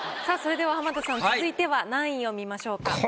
さぁそれでは浜田さん続いては何位を見ましょうか？